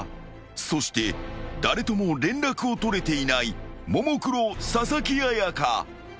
［そして誰とも連絡を取れていないももクロ佐々木彩夏］